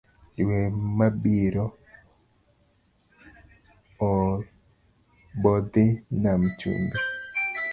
Dwe mabiro abodhii nam chumbi